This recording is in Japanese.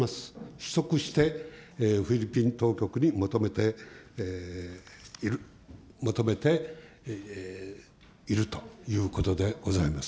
取得して、フィリピン当局に求めている、求めているということでございます。